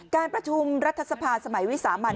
การประชุมรัฐสภาสมัยวิสามัน